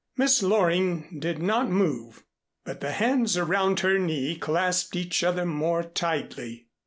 Miss Loring did not move, but the hands around her knee clasped each other more tightly.